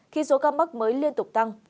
khi số ca mắc mới liên tục tăng